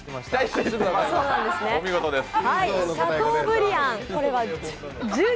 お見事です。